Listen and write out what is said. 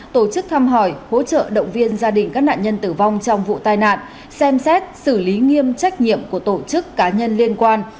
tổ chức thăm hỏi hỗ trợ động viên gia đình các nạn nhân tử vong trong vụ tai nạn xem xét xử lý nghiêm trách nhiệm của tổ chức cá nhân liên quan